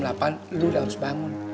lo udah harus bangun